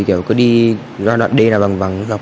kiểu cứ đi ra đoạn đê là bằng vắng